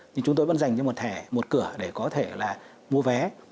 nhưng chúng tôi vẫn dành cho một thẻ một cửa để có thể là mua vé